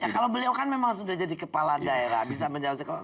kalau beliau kan memang sudah jadi kepala daerah